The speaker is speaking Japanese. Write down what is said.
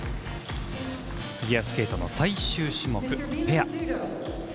フィギュアスケートの最終種目、ペア。